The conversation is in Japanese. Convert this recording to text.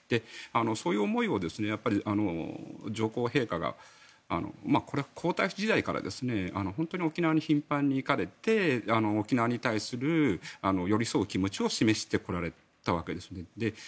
そういう思いを上皇陛下がこれ、皇太子時代から本当に沖縄に頻繁に行かれて沖縄に対する寄り添う気持ちを示してこられたわけですよね。